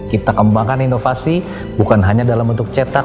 kita kembangkan inovasi bukan hanya dalam bentuk cetak